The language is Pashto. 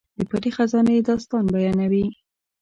د پټې خزانې داستان بیانوي.